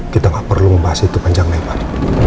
kita nggak perlu ngobah situ panjang lebar